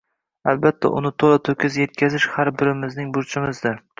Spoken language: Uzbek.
Albatta uni to‘la – to‘kis yetkazish har birimizning burchimzdir